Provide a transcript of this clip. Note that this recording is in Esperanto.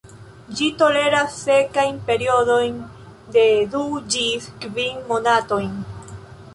Ĝi toleras sekajn periodojn de du ĝis kvin monatojn.